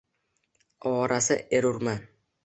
Ovorasi erurman.